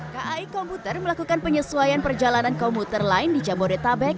kai komuter melakukan penyesuaian perjalanan komuter lain di jamboree tabek